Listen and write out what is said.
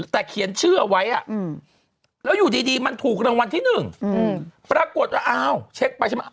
แต่เขียนชื่อเอาไว้แล้วอยู่ดีมันถูกรางวัลที่๑ปรากฏว่าอ้าวเช็คไปใช่ไหม